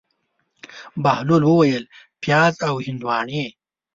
بهلول وویل: پیاز او هندواڼې.